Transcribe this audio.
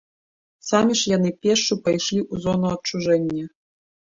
Самі ж яны пешшу пайшлі ў зону адчужэння.